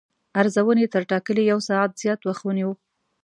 ارزونې تر ټاکلي یو ساعت زیات وخت ونیو.